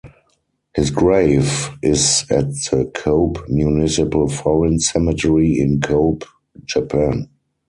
His grave is at the Kobe Municipal Foreign Cemetery in Kobe, Japan.